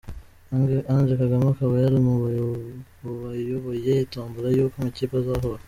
Ange Kagame akaba yari mu bayoboye tombola y’uko amakipe azahura.